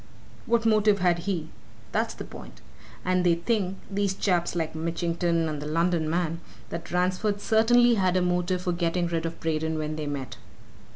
'What motive had he? that's the point. And they think these chaps like Mitchington and the London man that Ransford certainly had a motive for getting rid of Braden when they met."